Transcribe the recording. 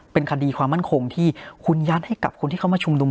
เป็นคดีความมั่นคงที่คุณยัดให้กับคนที่เข้ามาชุมนุม